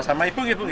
sama ibu gitu ya